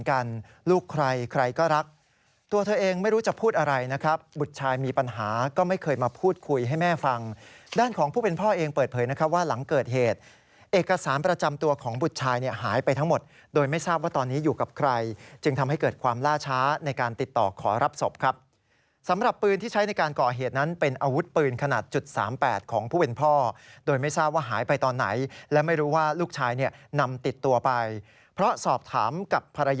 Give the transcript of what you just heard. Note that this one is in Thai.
กันลูกใครใครก็รักตัวเธอเองไม่รู้จะพูดอะไรนะครับบุษชายมีปัญหาก็ไม่เคยมาพูดคุยให้แม่ฟังด้านของผู้เป็นพ่อเองเปิดเผยนะครับว่าหลังเกิดเหตุเอกสารประจำตัวของบุษชายเนี่ยหายไปทั้งหมดโดยไม่ทราบว่าตอนนี้อยู่กับใครจึงทำให้เกิดความล่าช้าในการติดต่อขอรับศพครับสำหรับปืนที่ใช้ในการก